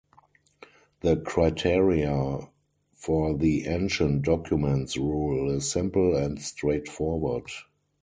The criteria for the Ancient Documents Rule is simple and straightforward.